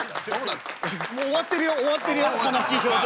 もう終わってるよ終わってるよ悲しい表情。